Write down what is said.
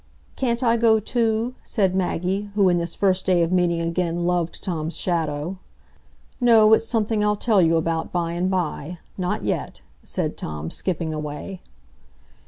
"Can't I go too?" said Maggie, who in this first day of meeting again loved Tom's shadow. "No, it's something I'll tell you about by and by, not yet," said Tom, skipping away.